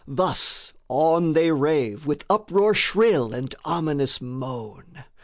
Thus on they rave With uproar shrill and ominous moan.